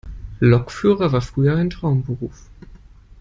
Lokführer war früher ein Traumberuf.